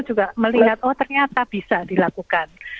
juga melihat oh ternyata bisa dilakukan